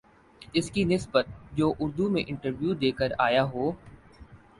اس کی نسبت جو اردو میں انٹرویو دے کر آ یا ہو